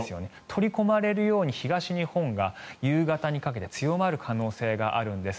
取り込まれるように東日本が夕方にかけて強まる可能性があるんです。